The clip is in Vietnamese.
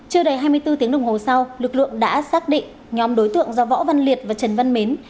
chưa đầy hai mươi bốn tiếng đồng hồ sau lực lượng đã xác định nhóm đối tượng do võ văn liệt và trần văn mến